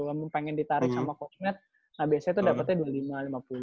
emang pengen ditarik sama kosmet nah biasanya tuh dapetnya dua puluh lima lima puluh